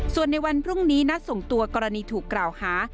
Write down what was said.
ส่วนในวันพรุ่งนี้นัดส่งตัวกรณีถูกกล่าวหา